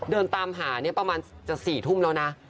เดินตามหาประมาณจาก๔ทุ่มแล้วนะ